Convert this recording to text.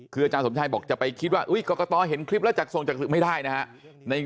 คืออาจารย์สมชัยบอกจะไปคิดว่ากรกตเห็นคลิปแล้วจัดส่งจากไม่ได้นะฮะ